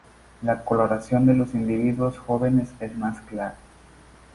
La coloración de los individuos jóvenes es más clara.